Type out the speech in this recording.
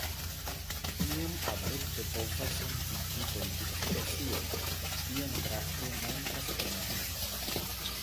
Kiom abrupte povas ŝanĝiĝi politika situacio, tion draste montras Germanio.